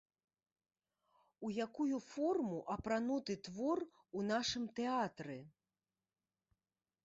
У якую форму апрануты твор у нашым тэатры?